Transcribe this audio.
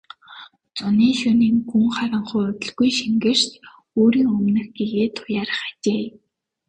Зуны шөнийн гүн харанхуй удалгүй шингэрч үүрийн өмнөх гэгээ туяарах ажээ.